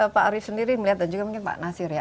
pak aris sendiri melihat dan juga mungkin pak nasir ya